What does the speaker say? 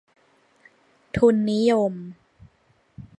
ทุนนิยม